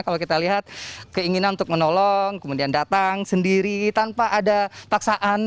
kalau kita lihat keinginan untuk menolong kemudian datang sendiri tanpa ada paksaan